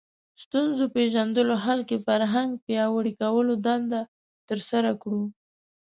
ستونزو پېژندلو حل کې فرهنګ پیاوړي کولو دنده ترسره کړو